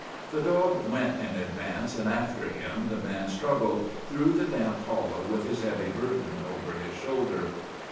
The dog went in advance and after him the man, struggling through the damp hollow with his heavy burden over his shoulder.